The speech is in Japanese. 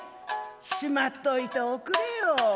しまっといておくれよ」。